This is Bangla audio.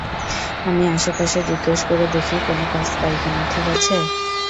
আমি আশপাশে জিজ্ঞেস করে দেখি কোনো কাজ পাই কি-না, ঠিক আছে?